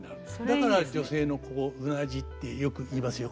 だから女性のここうなじってよく言いますよ